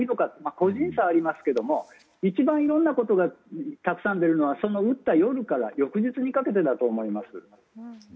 個人差はありますけれども一番いろんなことがたくさん出るのは打った夜から翌日にかけてだと思います。